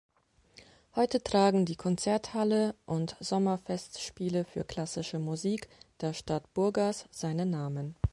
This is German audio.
Heute tragen die Konzerthalle und Sommerfestspiele für klassische Musik der Stadt Burgas seinen Namen.